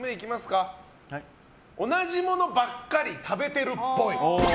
同じものばかり食べてるっぽい。